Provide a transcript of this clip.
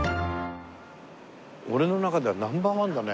俺の中ではナンバーワンだね